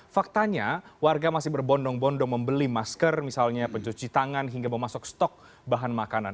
faktanya warga masih berbondong bondong membeli masker misalnya pencuci tangan hingga memasuk stok bahan makanan